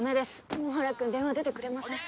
野原くん電話出てくれません